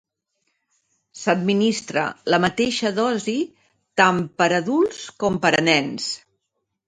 S’administra la mateixa dosi tant per adults com per a nens.